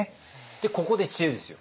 でここで知恵ですよ。